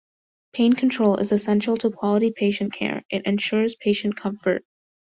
Pain control is essential to quality patient care; it ensures patient comfort.